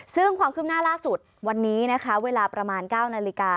ซึ่งความคืบหน้าล่าสุดวันนี้นะคะเวลาประมาณ๙นาฬิกา